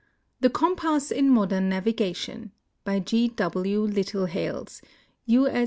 THE COMPASS IN MODERN NAVIGATION By G. W. LiTTLEHALES, TJ. S.